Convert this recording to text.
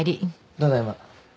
ただいま。